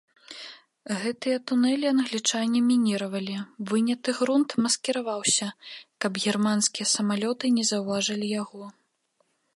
Гэтыя тунэлі англічане мініравалі, выняты грунт маскіраваўся, каб германскія самалёты не заўважылі яго.